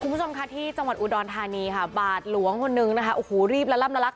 คุณผู้ชมค่ะที่จังหวัดอุดรธานีค่ะบาทหลวงคนนึงนะคะโอ้โหรีบละล่ำละลัก